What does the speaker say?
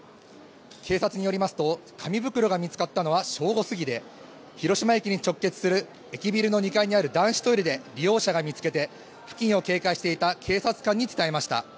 警察によりますと、紙袋が見つかったのは正午過ぎで、広島駅に直結する駅ビルの２階にある男子トイレで利用者が見つけて、付近を警戒していた警察官に伝えました。